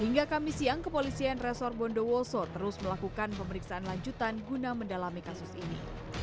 hingga kamis siang kepolisian resor bondowoso terus melakukan pemeriksaan lanjutan guna mendalami kasus ini